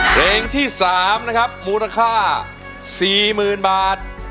เพลงที่๓นะครับมูลค่า๔๐๐๐บาท